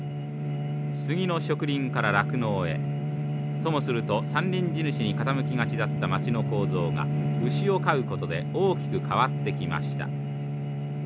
ともすると山林地主に傾きがちだった町の構造が牛を飼うことで大きく変わってきました。